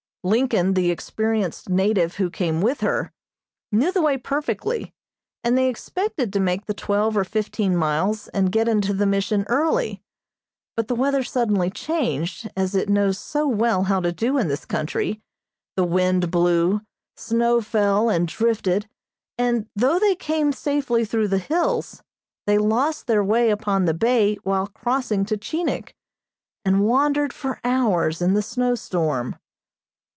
Lincoln, the experienced native who came with her, knew the way perfectly, and they expected to make the twelve or fifteen miles and get into the Mission early, but the weather suddenly changed, as it knows so well how to do in this country, the wind blew, snow fell and drifted and though they came safely through the hills, they lost their way upon the bay while crossing to Chinik, and wandered for hours in the snow storm.